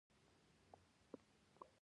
نجلۍ د خوشالۍ رڼا خپروي.